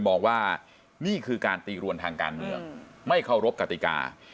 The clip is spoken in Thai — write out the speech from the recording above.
บอกว่านี่คือการตีรวนทางการเมืองไม่เคารพกติกา